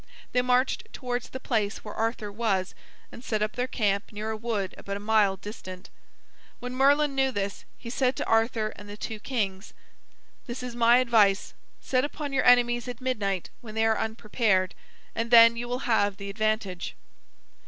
They marched towards the place where Arthur was, and set up their camp near a wood about a mile distant. When Merlin knew this, he said to Arthur and the two kings: [Illustration: King Bors and King Ban] "This is my advice: Set upon your enemies at midnight when they are unprepared, and then you will have the advantage."